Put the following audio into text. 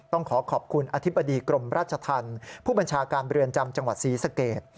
ต้องขอขอบคุณอธิบดีกรมราชธรรมผู้บัญชาการเรือนจำจังหวัดศรีสเกต